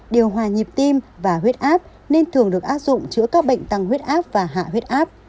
điều hòa nhịp tim và huyết áp nên thường được áp dụng chữa các bệnh tăng huyết áp và hạ huyết áp